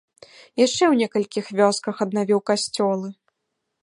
Яшчэ ў некалькіх вёсках аднавіў касцёлы.